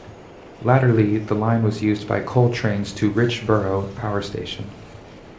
Latterly the line was used by coal trains to Richborough power station.